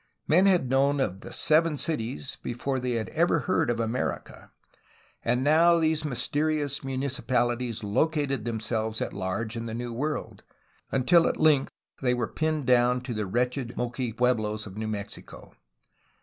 Men had known of "The Seven Cities^' before they had ever heard of America, and now these mysterious municipalities located themselves at large in the New World, until at length they were pinned down to the wretched Moqui pueblos of New Mexico.